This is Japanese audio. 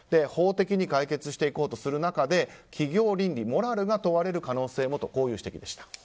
法的に解決していこうとする中で企業倫理、モラルが問われる可能性もという指摘でした。